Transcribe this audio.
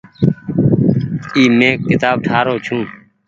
اي مين ڪيتآب ٺآ رو ڇي۔